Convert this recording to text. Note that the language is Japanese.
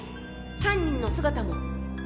犯人の姿も。